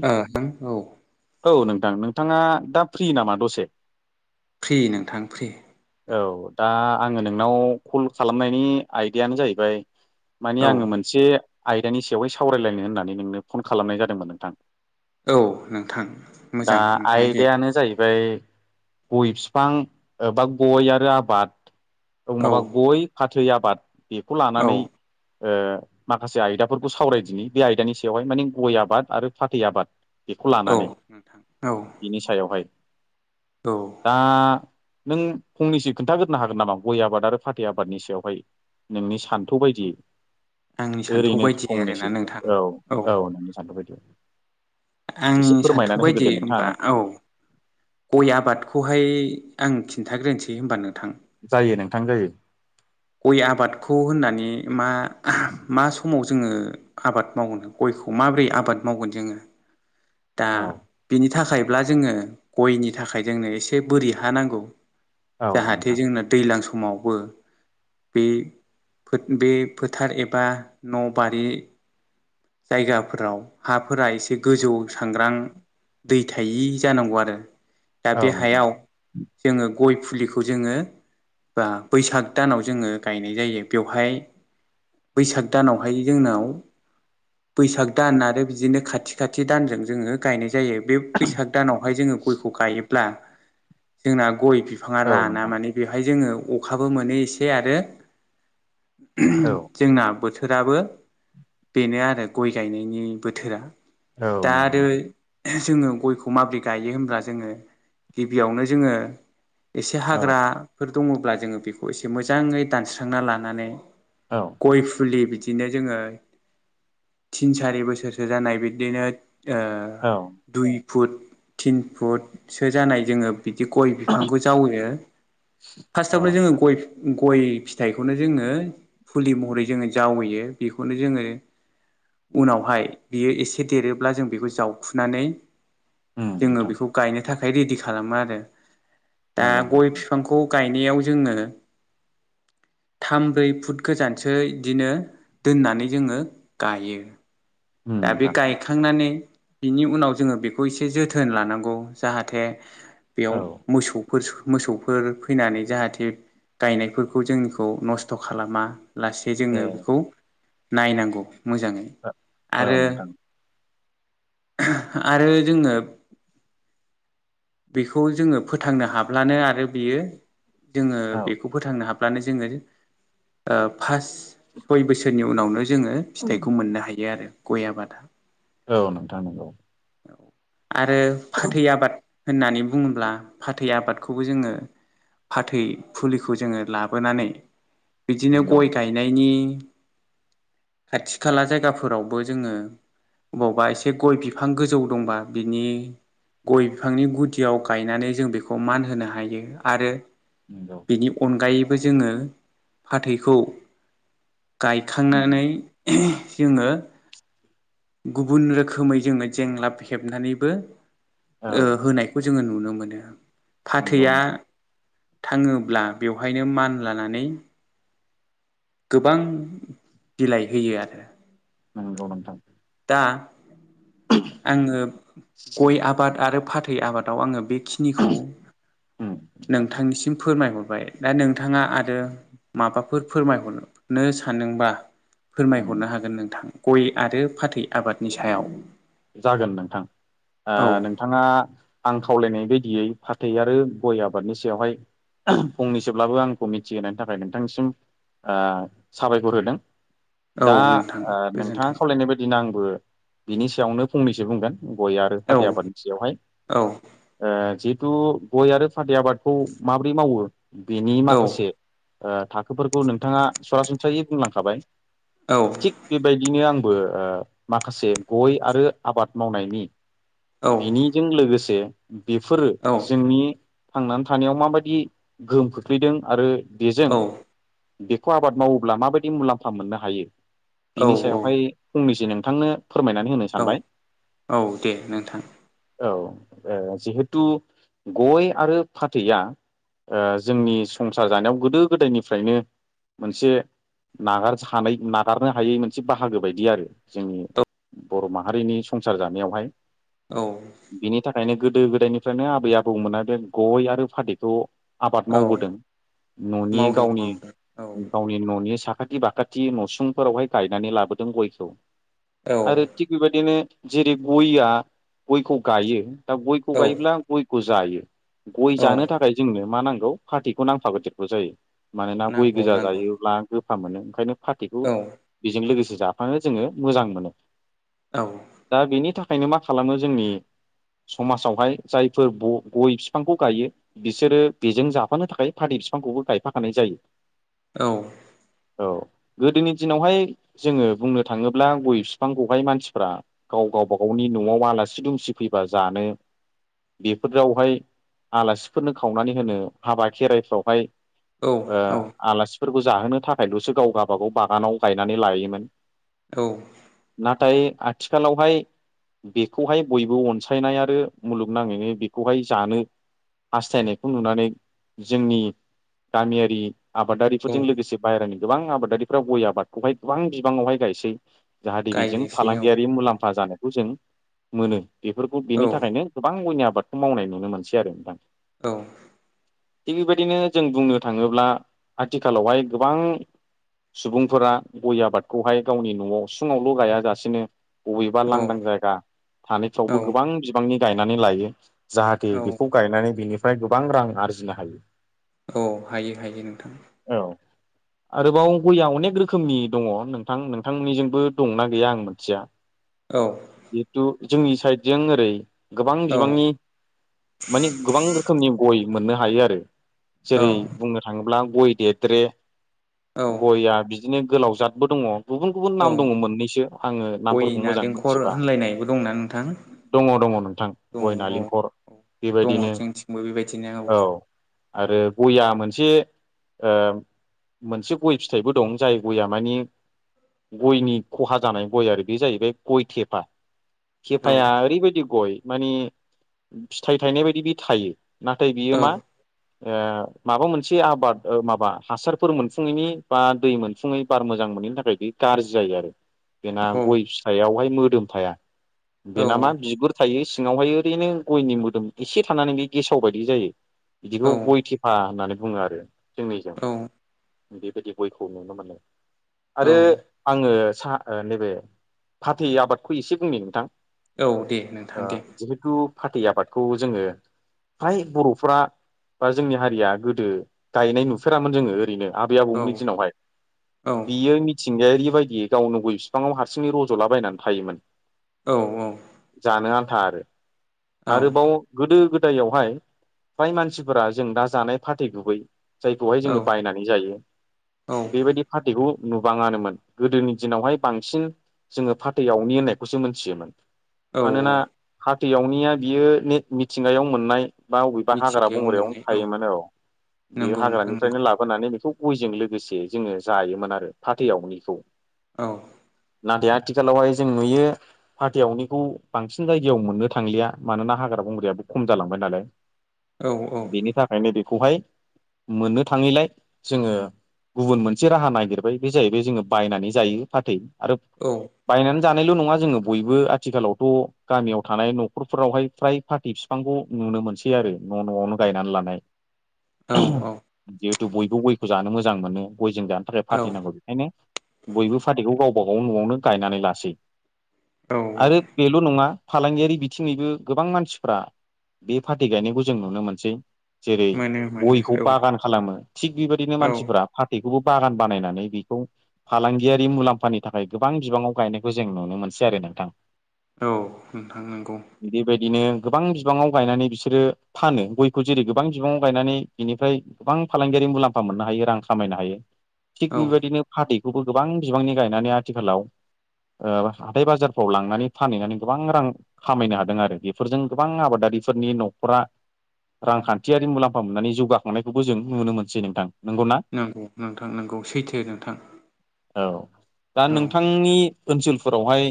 ओ नोंथां औ [inaudible] औ नोंथां नोंथाङा दा फ्रि नामा दसे? फ्रि नोंथां फ्रि औ दा आङो नोंनाव कल खालामनायनि आयदायानो जाहैबाय मानि औ आङो मोनसे आयदानि सायावहाय सावरायलायनो होननानै नोंनो फन खालामनाय जादोंमोन नोंथां। औ नोंथां मोजां नोंथां दे। ओमफ्राय गय फिफां एबा गय आरो आबाद औ माबा गय फाथै आबाद बेखौ औ लानानै ओ माखासे आयदाफोरखौ सावरायदिनि बे आयदानि सायावहाय माने गय आबाद आरो फाथै आबाद। बेखौ औ लानानै नोंथां औ बिनि सायावहाय औ दा नों फंनैसो खोन्थागोरोनो हागोन नामा गय आबाद आरो फाथै आबादनि सायावहाय? नोंनि सान्थौ बायदियै आंनि सान्थौ ओरैनो बायदि आरोना फंनैसो नोंथां औ औ नोंनो सान्थौ' बायदि एसे आंनि सान्थौ फोरमायनानै बायदि होग्रोदो होनोमबा नोंथाङानो औ गय आबादखौहाय आं खिन्था ग्रोनोसै होनबा नोंथां। जायो नोंथां जायो। गय आबादखौ होननानै मा मा समाव जोङो आबाद मावनो गय खौ माबोरै आबाद मावगोन जोङो [unintelligible] [inaudible] दा बिनि थाखायब्ला जोङो गयनि थाखाय जोंनो एसे बोरि हा नांगौ। औ जाहाथे नोंथां जोंना दैज्लां समावबो बे बे फोथार एबा न' बारि जायगाफोराव हाफोरा एसे गोजौ सांग्रां दै थायि जानांगौ आरो दा बे औ नोंथां हायाव जोङो गय फुलिखौ जोङो बा बैसाग दानाव जोङो गायनाय जायो बेवहाय बैसाग दानावहाय जोंनाव बैसाग दान आरो बिदिनो खाथि खाथि दानजों जोङो गायनाय जायो बे बैसाग दानावहाय जोङो गयखौ गायोब्ला जोंना गय बिफाङा औ राना नोंथां माने बेवहाय जोङो अखाबो मोनो एसे आरो औ जोंना बोथोराबो बेनो आरो गय गायनायनि बोथोरा औ दा नंगौ आरो नंगौ जोङो गयखौ माबोरै गायो होनब्ला जोङो गिबियावनो जोङो एसे औ हाग्राफोर दङब्ला जोङो बेखौ एसे मोजाङै दानस्रांना लानानै औ गय फुलि बिदिनो जोङो तिन सारि बोसोरसो जानाय बिदिनो ओ औ दुइ फुट थिन फुटसो जानाय जोङो बिदि गय बिफांखौ जावैयो। औ फार्स्टावनो जोङो नोंथां गय गय फिथाइखौनो जोङो फुलि महरै जोङो जावैयो बेखौनो जोङो उनावहाय बियो एसे देरोब्ला जों बेखौ जावखुनानै उम जोङो नोंथां बेखौ गायनो थाखाय रेडि खालामो आरो दा नंगौ गय फिफांखौ गायनायाव जोङो थाम ब्रै फुट गोजानसो बिदिनो दोननानै जोङो गायो उम दा बे नोंथां गायखांनानै बिनि उनाव जोङो बेखौ एसे जोथोन लानांगौ जाहाथे बेयाव औ मोसौ मोसौफोर फैनानै जाहाथे गायनायफोरखौ जोंखौ नस्थ' खालामा लासै ए जोङो औ आरो नोंथां। आरो जोङो बेखौ जोङो फोथांनो हाब्लानो आरो बियो जोङो औ बेखौ फोथांनो हाब जोङो पाच सय बोसोरनि उनावनो जोङो जोङो फिथाइखौ मोननो हायो आरो गय आबादा औ नोंथां नंगौ। आरो फाथै आबाद होननानै बुङोब्ला फाथै आबादखौबो जोङो फाथै फुलिखौ जोङो लाबोनानै बिदिनो नंगौ गय गायनायनि [inaudible] खाथि खाला जायगाफोरावबो जोङो अबावबा एसे गय बिफां गोजौ दंबा बिनि गय बिफांनि गुदियाव गायनानै जों बेखौ मानहोनो हायो आरो नंगौ बिनि अनगायै बे जोङो फाथैखौ नंगौ गायखांनानै जोङो गुबुन रोखोमै जोङो जेंलाब हेबनानैबो औ होनायखौ जोङो नुनो मोनो। नंगौ फाथैया थाङोब्ला बेवहायनो मानलानानै गोबां बिलाइ होयो आरो नों नोंथां। आ गय आङो गय आबाद आरो फाथै आबादाव आङो बे खिनिखौ उम नोंथां नोंथांनिसिम फोरमायहरबाय दा नोंथाङा आरो माबाफोर फोरमायहरनो सानदोंबा फोरमायहरनो उम हागोन नोंथां गय आरो फाथै आबादनि सायाव जागोन नोंथां औ नोंथाङा आं खावलायनाय बायदि यै फाथै आरो गय आबादनि सायावहाय फंनैसोब्लाबो आंखौ मिथिहोनायनि थाखाय नोंथांनिसिम साबायखर ओ होदों। औ दा नोंथां नोंथाङा गोजोन्थों खावलायनाय बायदिनो आंबो बिनि सायावनो फंनैसो बुंगोन गय आरो औ फाथै आबादनि सायावहाय औ ओ जि थु गय आरो फाथै आबादखौ माबोरै मावो बेनि औ माखासे थाखोफोरखौ नोंथाङा सरासनस्रायै बुंलांखाबाय औ थिग बेबायदिनो आं बो माखासे गय आरो आबाद मावनायनि औ बिनिजों लोगोसे बेफोरो औ जोंनि थांनानै थानायाव माबायदि गोहोम खोख्लैदों आरो बेजों बेखौ आबाद मावोब्ला माबायदि मुलाम्फा मोननो हायो औ बिनि सायावहाय फंनैसो नोंथांनो फोरमायनानै होनो औ सानबाय औ दे नोंथां। औ जिहेथु गय आरो फाथैया जोंनि संसार जानायाव गोदो गोदायनिफ्रायनो मोनसे नागार सानाय नागारनो हायै मोनसे बाहागो बायदि आरो जोंनि बर' माहारिनि संसार जानायावहाय औ बिनि थाखायनो गो गोदो गोदायनिफ्रायनो आबै आबौमोना बे गय आरो फाथैखौ आबाद औ मावबोदों न'नि मावदों गावनि मावदों गावनि न'नि सा साखाथि बाखाथि नसुंफोरावहाय गायनानै लाबोदों गयखौ। औ। बिदिनो जेरै गयआ गयखौ गयो दा गयखौ औ गायोब्ला गय खौ जायो गय औ जानो थाखाय जोंनो मा नांगौ फाथैखौ नांफा देरगौ जायो। मानोना गय नांगौ गोजा नांगौ जायोब्ला गोफा मोनो ओंखायनो फाथैखौ औ बेजों लोगोसे जाफानो जोङो मोजां मोनो औ दा बेनि थाखायनो मा खालामो जोंनि समाजावहाय जायफोर गय बिफांखौ गायो बिसोरो बेजों जाफानो थाखाय फाथै बिफांखौबो गायफाखानाय जायो। औ। औ गोदोनि दिनावहाय जोङो बुंनो थाङोब्ला गय बिफां मानसिफ्रा गाव गावबा गावनि न'आव आलासि दुमसि फैबा जानो बेफोरावहाय आलासिफोरनो खावनानै होनो हाबा खेराइफ्रावहाय औ ओ आलासि फोरखौ जाहोनो थाखायल'सो गाव गावबागाव बागानाव गायनानै लायोमोन औ। नाथाय आथिखालावहाय बेखौहाय बयबो अनसायनाय आरो मुलुगनाङैनो बेखौहाय जानो हास्थायनायखौ नुनानै जोंनि गामियारि औ आबादारिफोरजों लोगोसे बाहेरानि गोबां आबादारिफ्रा गय आबादखौहाय गोबां बिबाङावहाय गायसै। जाहाथे बेजों गायनोसै औ फालांगियारि औ मुलाम्फा जानायखौ जों मोनो बेफोरखौ औ बेनि थाखायनो गोबां गयनि आबादखौ मावनाय नुनो मोनसै आरो नोंथां। औ। थिग बेबायदिनो जों बुंनो थाङोब्ला आथिखालावहाय गोबां सुबुंफोरा गय आबादखौहाय गावनि न'आव उसुंआवल गाया जासेनो बबेबा औ लांदां जायगा औ थानायफ्रावबो गोबां बिबांनि गायनानै लायो जाहाथे औ बेखौ गायनानै बिनिफ्राय गोबां रां आरजिनो हायो औ हायो हायो नोंथां आरोबाव गया अनेक रोखोमनि दङ नोंथां नोंथांमोननिजोंबो दंना गैया आं मिथिया औ जिहेथु जोंनि साइडजों ओरै गोबां औ बिबांनि माने गोबां रोखोमनि गय मोननो हायो आरो औ जेरै बुंनो थाङोब्ला गय देदेरे औ गयआ बि बिदिनो गोलाव जादबो दङ गुबुन गुबुन नाम दङ मोननैसो आङो गय नामफोरखौ मोजां नालेंखर मोनथिबा होनलायनायबो दंना नोंथां दङ दङ नोंथां दङ गय औ नालेंखर औ दङ बेबायदिनो जोंथिंबो बेबायदिनो औ आरो गया मोनसे मोनसे गय फिथाइबो दं जाय गयआ मानि गयनि खहा जानाय गय आरो बे जाहैबाय गय थेफा औ थेफाया ओरैबायदि गय मानेणफिथाइ थायनाय बायदि बि थायो नाथाय बियो औ मा माबा मोनसे आबाद माबा हासारफोर मोनफुङैनि बा दै मोनफुङै बार मोजां मो नि थाखाय गाज्रि जायो आरो। बेना औ गय फिथायावहाय मोदोम थाया बेना औ मा बिगुर थायो सिङावहाय ओरैनो गयनि मोदोम एसे थानानै बे गेसाव बायदि जायो बिदिखौ गय थे फा होननानै बुङो आरो जोंनिजों बेबायदि गयखौ नुनो मोनो औ आरो आङो साहा नैबे फाथै आबादखौ एसे बुंनि नोंथां औ दे नोंथां दे जिहेथु फाथै आबादखौ जोङो फ्राय बर'फ्रा बा जोंनि हारिया गोदो गायनाय नुफेरामोन जोङो ओरैनो आबै औ आबौमोननि दिनावहाय औ बियो मिथिंगायारि बायदियै गावनो गय बिफाङाव हारसिंङै रज'लाबायनानै थायोमोन औ औ जानो आन्था आरो आरोबाव गोदो गोदायावहाय फ्राय मानसिफोरा जों दा जानाय फाथै गुबै जायखौहाय औ जोङो बायनानै जायो औ बेबायदि फाथैखौ नुबाङानोमोन गोदोनि दिनावहाय बांसिन जोङो फाथैआवनि होननायखौ मोनथियोमोन औ मानोना दैयावनिया बियो मिथिंगायाव मोननाय बा बबेबा हाग्रा मिथिंगायाव बंग्रायावनो मोननाय थायोमोन औ बेयो नंगौ नोंथां हाग्रानिफ्रायनो नंगौ लाबोनानै बेखौ गयजों लोगोसे जोङो जायोमोन आरो फाथैआवनिखौ औ जे आथिखालावहाय जों नुयो फाथैआवनिखौ बांसिन जायगायाव मोननो थांलिया मानोना हाग्रा बंग्रायाबो खम जालांबाय नालाय। औ बेनि थाखायनो बेखौहाय मोननो थाङैलाय जोङो गुबुन मोनसे राहा नागिरबाय बे जाहैबाय जोङो बायनानै जायो फाथै आरो औ बायनानै जानायल' नङा जोङो बयबो आथिखालावथ' गामियाव थानाय न'खरफोरावहाय फ्राय फाथै फिफांखौ नु नो मोनसै आरो न' न'आवनो गायनानै लानाय औ जिहेथु बयबो गयखौ जानो मोजां मोनो। गयजों जानो थाखाय औ फाथै नांगौ बेखायनो बयबो फाथैखौ गावबा गाव न'आवनो गायनानै लासै। औ आरो बेल' नङा फालांगियारि बिथिङैबो गोबां मानसिफ्रा बे फाथै गायनायखौ जों नुनो मोनसै। जेरै मोनो मोनो औ गयखौ बागान खालामो थिग बेबायदिनो औ मानसिफोरा फाथै खौ बागान बानायनानै बेखौ फालांगि बियारि मुलाम्फानि थाखाय गोबां बिबाङाव गायनायखौ जों नुनो मोनसै आरो नोंथां। औ नोंथां नंगौ बिनो गोबां बिबाङाव गायनानै बिसोरो फानो गयखौ जेरै गोबां बिबाङाव गायनानै बिनिफ्राय गोबां फालांगियारि मुलाम्फा मोननो हायो रां खामायनो हायो थिग औ बेबायदिनो फाथै गोबां बिबांनि गायनानै आथिखालाव हाथाय बाजारफ्राव लांनानै फानहैनानै गोबां रां खामायनो हादों आरो बेफोरजों गोबां आबादा फोरनि न'खरा रांखान्थियारि मुलाम्फा मोननानै जौगाखांनायखौबो जों नुनो मोनसै नोंथां। नंगौना नंगौ नोंथां नंगौ सैथो नोंथां। औ दा औ नोंथांनि ओनसोलफोरावहाय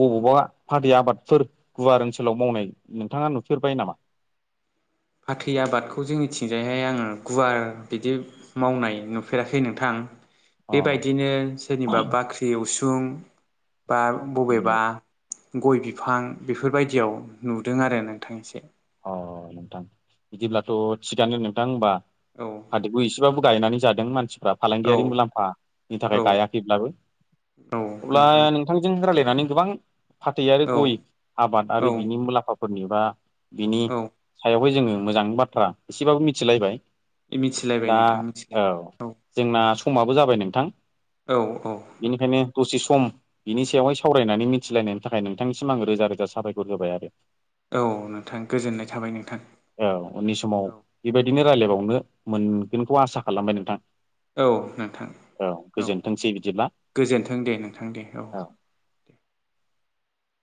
बबावबा फादै आबादफोर गुवार ओनसोलाव मावनाय नोंथाङा नुफेरबाय नामा? [inaudible] फाथै आबादखौ जोंनिथिंजायहाय आङो गुवार बिदि मावनाय नुफेराखै नोंथां। अ बेबायदिनो सोरनिबा बाख्रि उसुं बा नंगौ। बबेबा गय बिफां बेफोरबायदियाव नुदों आरो नोंथां एसे। अ नोंथां बिदिब्लाथ' थिगानो नोंथां होमबा। औ फाथैखौ एसेबाबो गायनानै जादों मानसि फोरा औ फालांगियारि मुलाम्फानि थाखाय औ गायाखैब्लाबो औ अब्ला नोंथां नोंथांजों रायलाय नानै गोबां फाथै आरो औ गय आबाद औ आरि बिनि मुलाम्फाफोरनि बा बिनि औ सायावहाय जोङो मोजां बाथ्रा एसेबाबो मिथिलायबाय मिथिलायबाय दा नोंथां औ मिथिलायबाय जोंना समाबो जाबाय नोंथां औ औ नोंथां बेनिखायनो दसे सम। बिनि सायावहाय सावरायनानै मिथिलायनायनि थाखाय नोंथांनिसिम आङो रोजा रोजा साबायखर होबाय आरो। औ नोंथां गोजोननाय थाबाय नों औ उननि समाव बिबायदिनो रायलायबावनो मोनगोनखौ आसा खालामबाय नोंथां। औ नोंथां औ गोजोनथोंसै बिदिब्ला गोजोन्थों दे नोंथां दे औ।